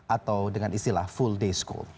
atau dengan istilah full day school